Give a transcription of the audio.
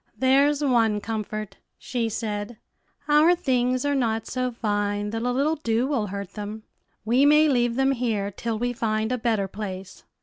"There's one comfort," she said; "our things are not so fine that a little dew will hurt them. We may leave them here till we find a better place."